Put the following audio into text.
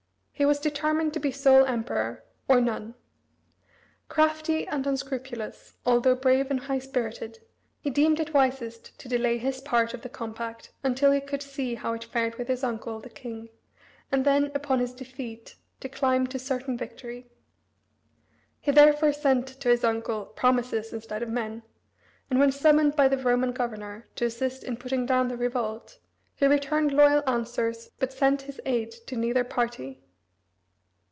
He was determined to be sole emperor, or none. Crafty and unscrupulous, although brave and high spirited, he deemed it wisest to delay his part of the compact until he should see how it fared with his uncle, the king, and then, upon his defeat, to climb to certain victory. He therefore sent to his uncle promises instead of men, and when summoned by the Roman governor to assist in putting down the revolt, he returned loyal answers, but sent his aid to neither party.